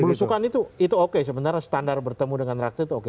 berusukan itu oke sebenarnya standar bertemu dengan rakyat oke